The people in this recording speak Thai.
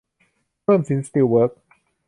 เพิ่มสินสตีลเวิคส์